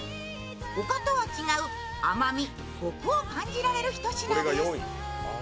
ほかとは違う、甘み、こくを感じられるひと品です。